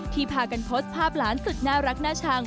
ที่พากันพดภาพหลานสุดน่ารักน่าชัง